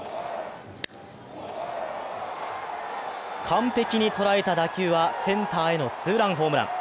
完璧に捉えた打球はセンターへのツーランホームラン。